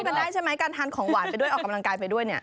กันได้ใช่ไหมการทานของหวานไปด้วยออกกำลังกายไปด้วยเนี่ย